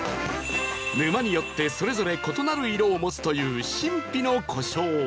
沼によってそれぞれ異なる色を持つという神秘の湖沼